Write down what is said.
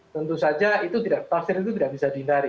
tentu saja tafsir itu tidak bisa dihindari